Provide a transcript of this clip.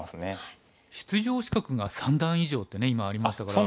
出場資格が３段以上ってね今ありましたから。